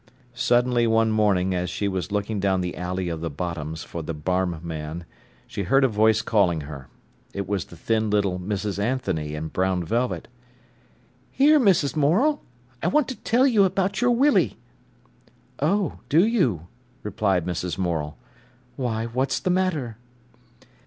Suddenly one morning as she was looking down the alley of the Bottoms for the barm man, she heard a voice calling her. It was the thin little Mrs. Anthony in brown velvet. "Here, Mrs. Morel, I want to tell you about your Willie." "Oh, do you?" replied Mrs. Morel. "Why, what's the matter?"